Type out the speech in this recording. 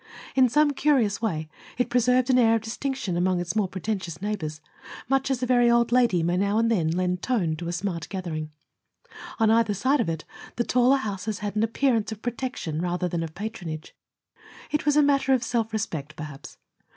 In some curious way it preserved an air of distinction among its more pretentious neighbors, much as a very old lady may now and then lend tone to a smart gathering. On either side of it, the taller houses had an appearance of protection rather than of patronage. It was a matter of self respect, perhaps.